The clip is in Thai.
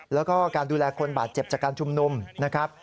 แล้วก็การดูแลคนบาดเจ็บจากการชุมนุมนะครับ